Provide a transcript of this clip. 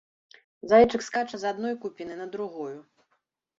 Зайчык скача з адной купіны на другую.